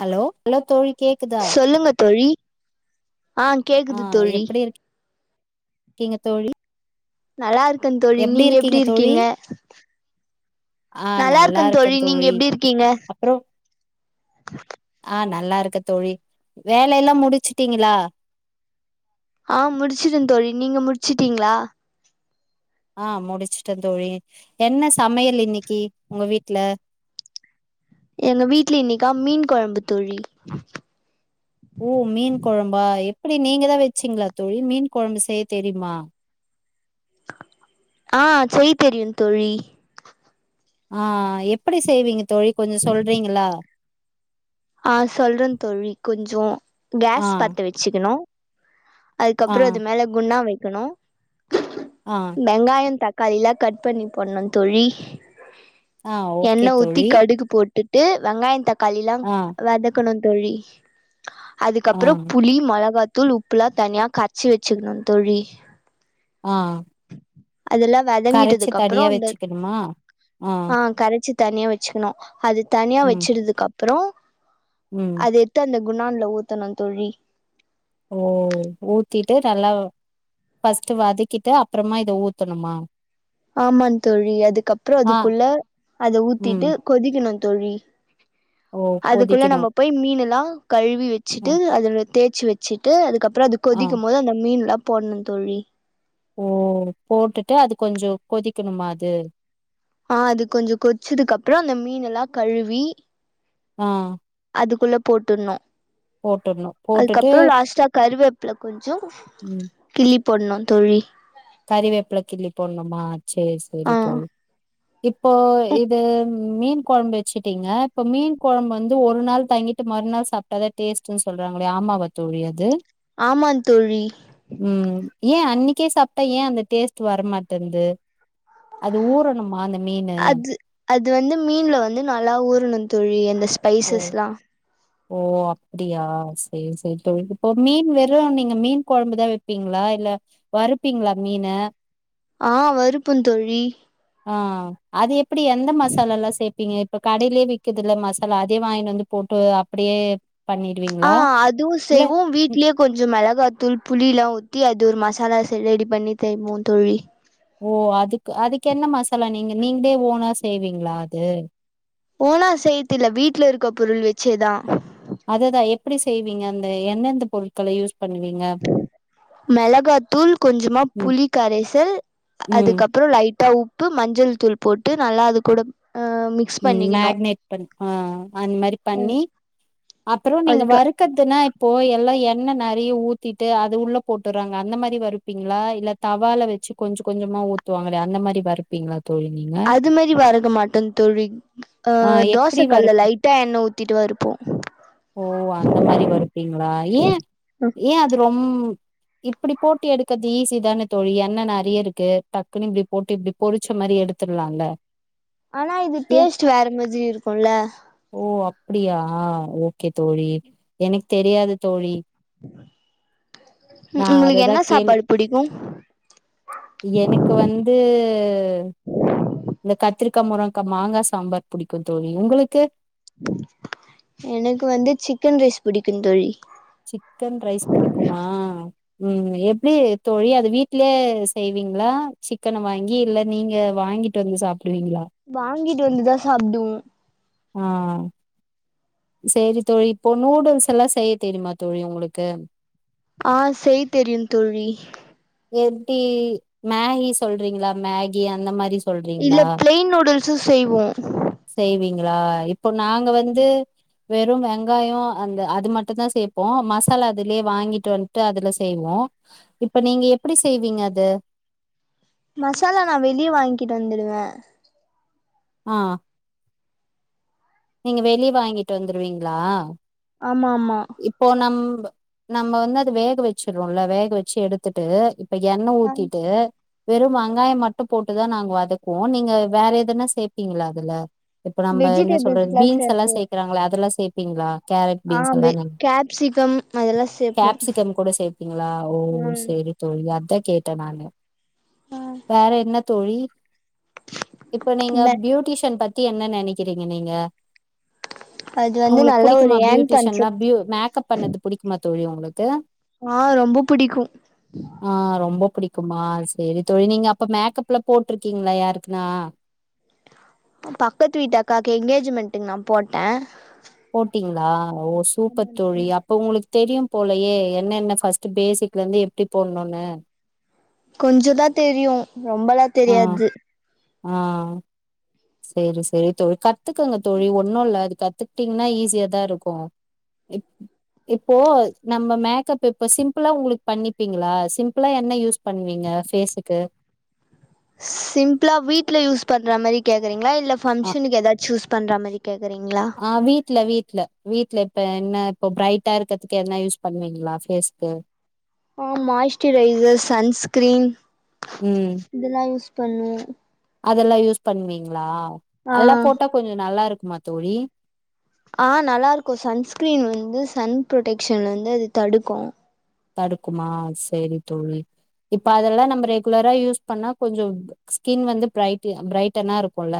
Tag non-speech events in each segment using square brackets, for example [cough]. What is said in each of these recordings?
Hello hello தோழி கேக்குதா ஆஹ் கேக்குது தோழி கிங்க தோழி நல்லாருக் கந் தோழி நீங்க எப்டி இருக்கீங்க ஆ நல்லா இருக்கே இருக்கந்தோழி நீங்க தோழி எப்டி இருக்கீங்க அப்றோ ஆ நல்லா இருக்க தோழி, வேல எல்லா முடிச்சிட்டீங்ளா ஆ முடிச்சிட்ட தோழி, நீங்க முடிச்சுட்டீங்ளா ஆ முடிச்சிட்ட தோழி, என்ன சமையல் இன்னைக்கி உங்க வீட்ல எங்க வீட்ல இன்னைக்கா மீன் கொழம்பு தோழி ஓ மீன் கொழம்பா எப்டி நீங்கதா வச்சீங்ளா தோழி, மீன் கொழம்பு செய்ய தெரிமா ஆ, செய்ய தெரியு தோழி ஆ எப்டி செய்வீங்க தோழி கொஞ்சோ சொல்றீங்களா ஆ, சொல்ற தோழி கொஞ் சோ ஆ கேஸ் பத்த வச்சுக்ணு ஆ அதுக்கப்றோ அது மேல குண்டா வைக் க்கணு ஆ வெங்காய, தக் காளில கட் பண்ணி போட்னு தோழி ஆ ஓகே எண்ணெ ஊத்தி தோழி கடுகு போட்டு ட்டு வெங்காய தக் காளிலா ஆ வதக்கணு தோழி ஆ அதுக்கப்றோ புளி மொளகா தூள், உப்புலா தனியா கரச்சி வச்சுக்ணு தோழி ஆ அதெல்லா கரச்சி வதங்கிட்டதுக்கு அப்றோ தனியா அந்த வச்சுக்கணுமா ஆ, கரச்சி தனியா வச்சுக்ணு அது தனியா ம் வச்சிடுதுக்கப் ப்றோ ம் அத எடுத்து அந்த குண்டான்ல ஊத்தனு தோழி ஓ ஊத்திட்டு நல்லா ஃபஸ்ட்டு வதக்கிட்டு அப்பறமா இத ஊத்தணுமா ஆமா தோழி, அதுக்கப்றோ ஆ அதுக்குள்ள அத ம் ஊத்திட்டு கொதிக்ணு தோழி ஓ அதுக்குள்ள கொதிக்கணு நம்ம போய் மீனெல்லா கழுவி அ வச்சுட்டு அதோட தே ச்சு வச்சிட்டு அதுக்கப் ப்றோ அது ஆ கொதிக்கும்போது அந்த மீன்லா போட்னு தோழி ஓ போட்டுட்டு அது கொஞ்சோ கொதிக்ணுமா அது ஆஹ் அது கொஞ்சோ கொச்சதுக்கு அப்புறம் அந்த மீன் எல்லாம் கழுவி ஆஹ் அதுக்குள்ள போட்டுர்ணும் போட்டுட்டு அதுக்கப்புறம் லாஸ்டா கருவேப்புல கொஞ்சம் ம் கிள்ளி போட்னு தோழி கறிவேப்பில கிள்ளி போட்ணுமா சேர் சேரி ஆ தோழி இப்போ இது மீன் குழம்பு வச்சுட்டீங்க இப்ப மீன் குழம்பு வந்து ஒரு நாள் தங்கிட்டு மறுநாள் சாப்ட்டாதான் டேஸ்ட்ன்னு சொல்றாங்க இல்லையா ஆமாவா தோழி அது ஆமான் தோழி ஏன் அன்னைக்கே சாப் ஏன் அந்த டேஸ்ட் வரமாட்டேன்து அது ஊறணுமா அந்த மீனு அது அது வந்து மீன்ல வந்து நல்லா ஊருணும் தோழி அந்த ஓ ஸ்பைஸஸ்லாம் ஓ அப்படியா செரி செரி தோழி இப்போ மீன் வெறும் நீங்க மீன் குழம்புதான் வைப்பீங்களா இல்ல வறுப்பீங்களா மீனா ஆஹ் வறுப்ப தோழி ஆஹ் அது எப்படி எந்த மசால எல்லா சேர்பீங்க இப்ப கடையிலயே விக்குத இல மசாலா அதே வாங்கிட்டு வந்து போட்டு அப்படியே ஆஹ் அதுவும் செய்வ்வோம் ம், வீட்லயே கொஞ்சோ மிளகா தூள் புளி எல்லாம் ஊத்தி அது ஒரு மசாலா செரி ரெடி பண்ணி தருவோம் தோழி ஓ அது அதுக்கு என்ன மசாலா நீங்க நீங்களே ஓனா செய்வீங்களா அது ஓனா செய்யித்துல வீட்டுல இருக்க பொருள் வச்சேதான் அததான் எப்படி செய்வீங்க அந்த எந்தெந்த பொருட்கள யூஸ் பண்ணுவீங்க மெளகாத்தூள் கொஞ்சமா ம் புளி கரைசல் ம் அதுக்கப்புறம் லைட் ப்ப உப்பு மஞ்சள் தூள் போட்டு நல்லா அது கூட ஆ மிக்ஸ் உம் பண்ணிக்கணு மேக்னேட் பண்ண ஆஹ அந்த மாதிரி பண்ணி அப்புறோ நீங்க அதுக்கு வறுக்கதுன்னா இப்போ எல்லா என்ன நெறைய ஊத்திட்டு அது உள்ள போட்டுறாங்க அந்த மாரி வருறுப்பீங்களா இல்ல தவால வச்சு கொஞ்ச கொஞ்சமா ஊத்துவாங்களே அந்த மாரி வறுப்பீங்களா தோழி அது மாரி வறுக்க மாட்டோம் ழோழி ஆஹ் எப்படி வறுப்பி எண்ணெ ஊத்திட்டு வறுப்போ ஓ அந்த மாரி வறுப்பீங்களா ஏன் ஏன் அது ரொம் இப்படி போட்டி எடுக்கது ஈஸிதானே த தோழி என்ன நெறைய இருக்கு டக்குன்னு இப்படி போட்டு இப்படி பொரிச்ச மாரி எடுத்துரலாம்ல ஆனா இது டேஸ்ட்டு வேற மாதிரி இருக்குல அப்படியா ஹ் ஓகே தோழி எனக்கு தெரியாது தோழி நான் உங்களுக்கு அதுதா என்ன கேள்ளு சாப்பாடு புடிக்கு எனக்கு வந்து இந்த கத்திரிக்கா முரங்கா மாங்கா சாம்பார் புடிக்கும் தோழி உங்களுக்கு எனக்கு வந்து சிக்கன் ரைஸ் புடிக்கு தோழி சிக்கன் ரைஸ் புடிக்குமா ம் எப்டி தோழி அது வீட்லயே செய்வீங்ளா சிக்கன வாங்கி இல்ல நீங்க வாங்கிட்டு வந்து சாப் டுவீங்களா ங்கிட்டு வந்துதா சாப்டுவோ ஆ சேரி தோழி இப்போ நூடுல்ஸெல்லா செய்ய தெரியுமா தோழி உங்களுக்கு ஆ செய் தெரியு தோழி எப்டி மேஹி சொல்றீங்களா மேகி அந்த மாரி இல்ல சொல்றீங்களா ப்ளைன் நூடுல் ஸு செய்வோ செய்வீங்களா எப் போ நாங்க வந்து வெறு வெங்காயொ அந்த அது மட்டுந்தா சேப்போ மசாலா அதுலயே வாங்கிட்டு வன்ட்டு அதுல செய்வோ இப்ப நீங்க எப்டி செய்வீங்க அது மசாலா நா வெளிய வாங்கிட்டு வந்துருவ ஆ நீங்க வெளிய வாங்கிட்டு வந்துருவீங்களா ஆமா ஆமா இப்போ நம் ப நம்ம வந்து அது வேக வெச்சுர்றோல்ல வேக வெச்சி எடுத்துட்டு இப் ப எண்ண ஆ ஊத்திட்டு வெறும் வெங்காயம் மட்டும் போட்டுதா நாங்க வதக்குவோ நீங்க வேற எதுனா சேப்பீங்களா அதுல இப்ப நம்ப என்ன சொல்றது வெஜிடபிள்ஸ்லா பீன்ஸ் எல்லா சேப்போ சேக்கறாங்கல அதெல்லா சே பீங்ளா கேரட் ஆ பீன்ஸ் வெ [unintelligible] கேப்சிகம் அதெல்லா சேப்போ கேப்சிகம் கூட சேப்பீங்களா ஓ ம் சேரி தோழி அ தா கேட்ட நானு ஆ வேற என்ன தோழி இப்போ நீங்க பியூட்டிஷியன் பத் கி என்ன நெனக்கிறீங்க நீங்க அது வந்து நல்ல ஒரு யேன் ட்டிஷிலா ப்யு மேக்கப் பண்ணது புடிக்குமா தோழி உங்களுக்கு ஆ ரொம்போ புடிக்கு பிடிக்குமா சேரி தோழி நீங்க அப்ப மேக்கப்லா போட்ருக்கீங்களா யாருக்குனா பக்கத்து வீட்டு அக்காக்கு எனங்கேஜ்மென்ட்டுக் நா போட்ட போட்டீங்ளா ஓ சூப்பர் தோழி அப்ப உங்களுக்கு தெரியும் போலையே என்னென்ன ஃபர்ஸ்ட் பேசிக் வந்து எப்டி போடணும்னு கொஞ்சதான் தெரியும் ரொம்பலா தெரியாது ஆஹ் செரி செரி தோழி கத்துக்கங்க தோழி ஒண்ணும் இல்ல அது கத்துக்கிட்டீங்கன்னா ஈஸியாதான் இருக்கும் இப் இப்போ நம்ம மேக்கப் இப்போ சிம்பிளா உங்களுக்கு பண்ணிப்பீங்களா சிம்பிளா என்ன யூஸ் பண்ணுவீங்க பேஸ்க்கு சிம்பிளா வீட்ல யூஸ் பண்ற மாறி கேக்குறீங் ங்களா இல்ல ஆ ஃபங்ஷனுக்கு ஏதாச்சு யூஸ் பண்ற மாறி கேக்குறீங்களா ஆ வீட்ல வீட்ல வீட்ல இப்ப என்ன இப்ப பிரைட்டா இருக்கிறதுக்கு என்ன யூஸ் பண்ணுவீங்களா பேஸ்கு ஆஹ் மாய்ஸ்ட்ரைசர் சன்ஸ்கிரீன் ம் இதல்லா யூஸ் பண்ணுவேன் அதெல்லா யூஸ் பண்ணுவீங்களா ஆ அது எல்லா போட்டா கொஞ்சோ நல்லா இருக்கு மாத் தோழி ஆஹ் நல்லா இருக்கும் சன்ஸ்கிரீன் வந்து சன் ப்ரொடெக்ஷன்ன வந்து அது தடுக்கும் தடுக்குமா செரி தோழி இப்ப அதெல்லா நம்ம ரெகுலரா யூஸ் பண்ணா கொஞ்சோ ஸ்கின் வந்து பிரைட்டு பிரைட்டனா இருக்குல்ல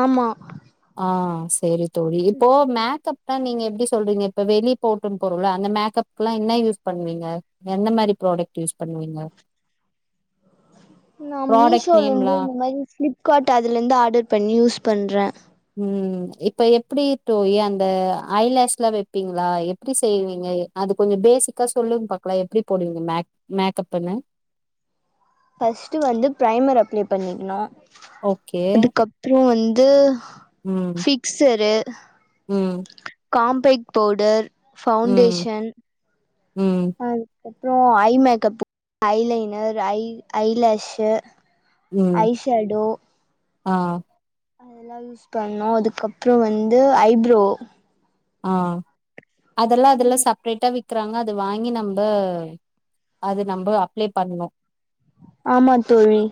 ஆமா ஆஹ் செரி தோழி இப்போ மேகப் ப்ப நீங்க எப்படி சொல்றீங்க இப்ப வெளி போட்டு போறோல அந்த மேக்கப் எல்லா என்ன யூஸ் பண்ணுவீங்க எந்த மாறி ப்ரோடக்ட் யூஸ் பண்ணுவீங்க நான் ப்ராடக்ட் மீஷோல இருந்து நேம்லா இந்த மாறி பிளிப்கார்ட் அதுல இருந்து ஆர்டர் பண்ணி யூஸ் பண்றே ம் இப்ப எப்படி தோழி அந்த ஐலாஷ்ல்லா வைப்பீங்களா எப்படி செய்வீங்க அது கொஞ்சோ பேசிக்கா சொல்லுங்கு பாக்கலா எப்படி போடுவீங்க மேக் மேக்கப்ன்னு ஃபர்ஸ்ட் வந்து பிரைமர் அப்ளை பண்ணிக்கணும் ஓகே. அதுக்கப்றோ வந் ட்டு ஃபிக்சரு [unintelligible] உம் காம்பேக்ட் பவுடர் ம். ஃபௌவுண்டேஷன் ம். அஹ அப்புறோ eye makeup eyeliner eye eyelash eye shadow ஆஹ் அதெல்லா யூஸ் பண்ணோம் அதுக்கப்றோ வந்து ஐப்ரோ ஆஹ் அதெல்லா அதெல்லா செப்ரேட்டா விக் துறாங்க அது வாங்கி நம்ப அது நம்ப அப்ளே பண்ணு ஆமா தோழி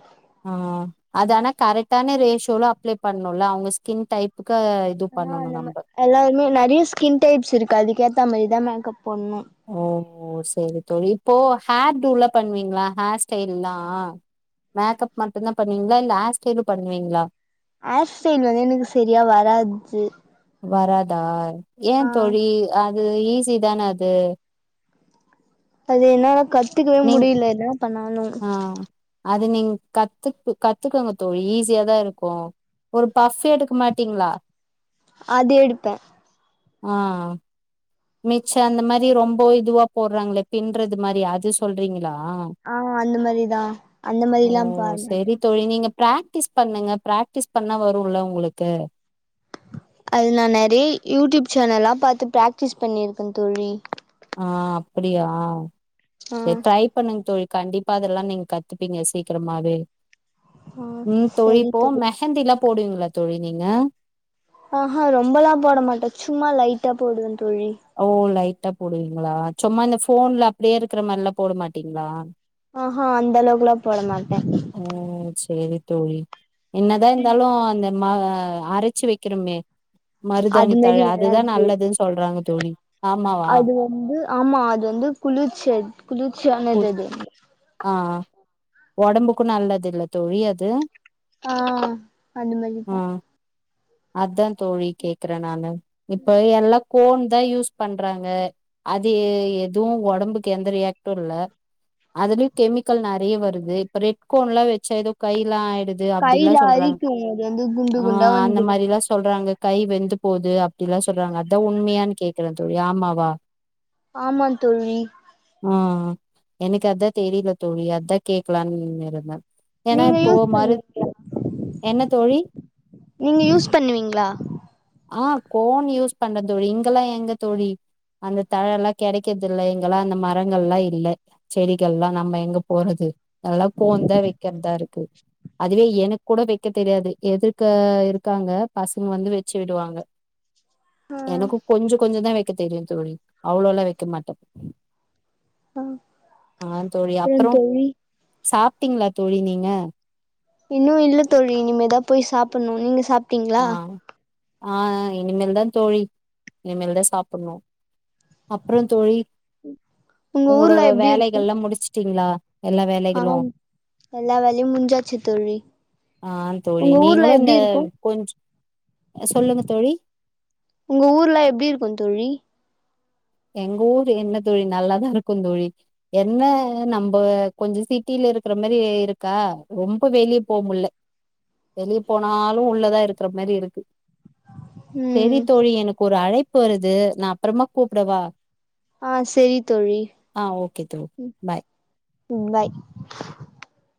அது ஆனா கரெட்டான ரேஷ்யோல அப்ளே பண்ணுல்ல அவுங்க ஸ்கின் டைப்பு க இது ஆ பண்ணணு அந்த மா நம்ப எல்லாருமே நெறைய ஸ்கின் டைப்ஸ் இருக்கு அதுக்குஏத்தா மரிதா மேக்கப் பொண்ணு ஓ சேரி தோழி போ ஹேர் டூ ல பண்வி ங்ளா ஹேர்ஸ்டைல்லா மேக்கப் மட்டுந்தா பண்வீங்ளா இல்ல ஹேர் ஸ்டைலு பண்வீங்ளா ஆஸ்டைல் வந்து எனுக்கு சரியா வராத்து வராதா ஏ தோழி அ து ஈஸி தான அது அது என்னல கஷ் த்துகே நீங் முடிய்ல இனா பண்ணாலு து நீங் கத்துக்கு கத்துக்கோங்க தோழி ஈஸியாதா இருக்கு ஒரு பஃப் எடுக்கு மாட்டீங்ளா அது எடுப்பே அ அ மிச்ச அந்த மாரி ரொம்போ இதுவா போட்றாங்களே பின்றது மாரி அது சொல்றீங்கிளா ஆ அந்து மரிதா அந்த மரில்லா பார்மேட்ட ட்டிஸ் பண்ணுங்க ப்ராக்டிஸ் பண்ணா வருல்ல உங்களுக்க அது நா நறி யூட்யூப் சேனல்லா பாத்து ப்ராக்டிஸ் பண்ணியிருக்க தோழி ஆ அப்புடியா ஆ சேர் ட்ரை பண்ணுங் தோழி கண்டிப்பா அதல்லா நீங் கத்துப்பீங்க சீக்கிரமாவே ஆ ம் சரி தோழிப்போ தோழி மெஹந்திலா போடுவீங்ளா தோழி நீங்க ஆஹா ரொம்பலா போட மாட்ட சும்மா லைட்டா போடுவன் ஓ லைட்டா போடுவீங்ளா சொம்மா இந்த போன்ல அப்டியே இருக்கிற மார்ல்லா போட மாட்டீங்ளா ஆஹு அந்த அளவுக்லா போடமாட்ட ஓ சேரி தோழி என்னதா இர்ந்தாலு அந்த மாவ அரைச்சு வைக்கிறமே அது மருதாணி தழ மாரி அதுதா வராது நல்லதுன்னு சொல்றாங்க தோழி ஆமாவா அது வந்து ஆமா அது வந்து குளிர்ச்ச குளிர்ச்சியானது அது உடம்புக்கும் நல்லது இல்ல தோழி அது ஆஹ் அந்த மாதிரிதான் அதான் தோழி கேக்குறேன் நானு இப்ப எல்லா போன் யூஸ் பண்றங்க அது எதுவும் உடம்புக்கு எந்த ரியாக்ட்டும் இல்ல அதிலும் கெமிக்கல் நிறைய வருது இப்போ ரெட் கோன்லாம் வச்ச எதோ கையிலன் ஆயி கையில அரிக்கும் அது வந்து குண்டு ஆ குண்டா அந்த வந்துரும் மாரிலா சொல்றாங்க கை வெந்து போது அப்படிலாம் சொல்றாங்க அதான் உண்மையா கேக்குறேன் தோழி ஆமாவா ஆமா தோழி ஆஹ எனக்கு அதான் தெரியல தோழி அதான் கேக்கலான்னு இருந்தேன் நீங்க யூஸ் பண்ணுவீங்களா என்ன தோழி நீங்க யூஸ் பண்ணுவிங்களா ஆஹ் கோன் யூஸ் பண்ற தோழி இப்பலாம் எங்க தோழி அந்த தழ எல்லாம் கிடைக்கிறது இல்ல எங்கெல்லாம் அந்த மரங்கள் எல் லாம் இல்லை செடிகள் எல்லாம் நம்ம எங்க போறது எல்லாம் கோன் தான் வைக்கிறதா இருக்கு அதுவே எனக்கு கூட வைக்க தெரியாது எத்க்க இருக்காங்க பசங்க வந்து வச்சு விடுவாங்க ஆ எனக்கும் கொஞ்சதான் வைக்க தெரியும் தோழி அவ்வளோ எல்லாம் வைக்க மாட்டேன் ஆஹ் பெ தோழி சாப்பிட்டீங்களா தோழி நீங்க இன்னும் இல்ல தோழி இனிமேதான் போய் சாப்பிடணும் நீங்க சா சாப்படீங்களா ஆஹ் இனிமேல் தான் தோழி இனிமேல் தான் சாப்பிடணும் அப்பறம் தோழி உங்க உங்களோட வேலைகல்லாம் முடிச்சு சாப்பிட்டீங்களா ஆஹ் எல்லா வேலையும் முஞ்சாச்சு தோழி ஆ தோழி உங்க ஊர்ல நீங்களு இந்த எப்படி இருக்கும் கொஞ்ச சொல்லுங்க தோழி உங்க ஊர்ல எப்படி இருக்கும் தோழி எங்க ஊர் என்ன தோழி நல்லாதான் இருக்கும் தோழி என்ன நம்ப கொஞ்சம் சிட்டில இருக்கிற மாரி இருக்கா ரொம்ப வெளியே போமுடில வெளியே போனாலும் உள்ளதான் இருக்கிற மாரி இருக்கு சேரி ம் தோழி எனக்கு ஒரு அழைப் ப்பு வருது நான் அப்பறமா கூப் பிரவா ஆஹ் சேரி தோழி ஓகே தோழி ம் பாய் உம் பாய்